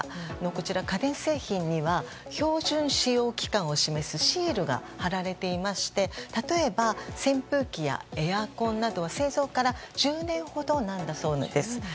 こちら、家電製品には標準使用期間を示すシールが貼られていまして例えば扇風機やエアコンなど製造から１０年ほどなんだそうです。